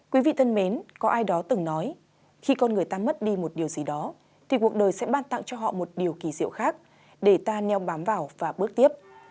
quý vị thân mến có ai đó từng nói khi con người ta mất đi một điều gì đó thì cuộc đời sẽ ban tặng cho họ một điều kỳ diệu khác để ta neo bám vào và bước tiếp